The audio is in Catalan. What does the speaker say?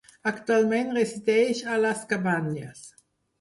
Actualment resideix a Les Cabanyes.